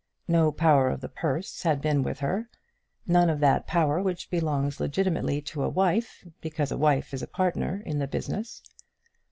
No power of the purse had been with her none of that power which belongs legitimately to a wife because a wife is a partner in the business.